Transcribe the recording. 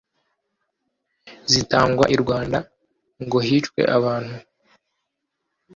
zitangwa i rwanda ngo hicwe abantu